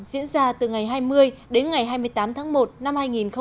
diễn ra từ ngày hai mươi đến ngày hai mươi tám tháng một năm hai nghìn một mươi sáu